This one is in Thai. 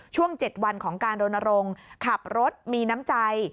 ช่วง๗วันของการรณรงค์ขับรถมีน้ำใจ